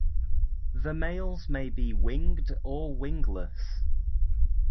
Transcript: The males may be winged or wingless.